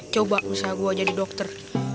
coba misalnya gua jadi dokter